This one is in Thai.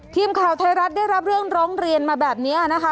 ทีมข่าวไทยรัฐได้รับเรื่องร้องเรียนมาแบบนี้นะคะ